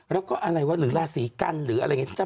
แล้วก็อะไรวะหรือราศีกันหรืออะไรอย่างนี้